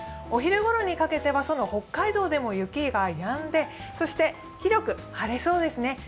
お昼ごろにかけては北海道でも雪がやんでそして広く晴れそうですね。